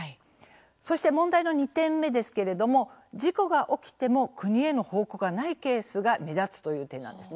そして問題点の２点目ですけれども事故が起きても国への報告がないケースが目立つという点なんですね。